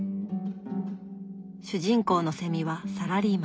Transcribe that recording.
主人公のセミはサラリーマン。